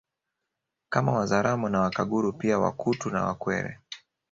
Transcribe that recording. Kama Wazaramo na Wakaguru pia Wakutu na Wakwere